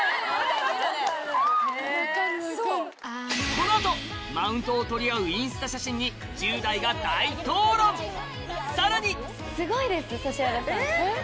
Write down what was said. この後マウントを取り合うインスタ写真に１０代が大討論さらに！